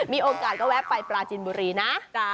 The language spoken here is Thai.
มีโอกาสก็แวะไปปราจินบุรีนะ